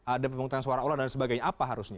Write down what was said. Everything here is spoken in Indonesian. ada pemungutan suara ulang dan sebagainya apa harusnya